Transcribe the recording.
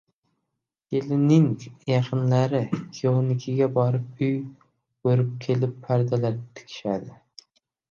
kelinning yaqinlari kuyovnikiga borib uy ko’rib kelib, pardalar tikishadi.